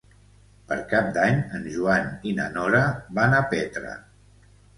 Per Cap d'Any en Joan i na Nora van a Petra.